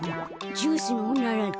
ジュースのおならだ。